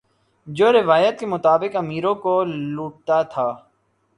جو روایت کے مطابق امیروں کو لوٹتا تھا